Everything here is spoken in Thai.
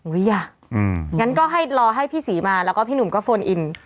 อ่ะงั้นก็ให้รอให้พี่ศรีมาแล้วก็พี่หนุ่มก็โฟนอิน